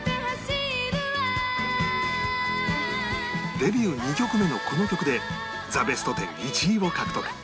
デビュー２曲目のこの曲で『ザ・ベストテン』１位を獲得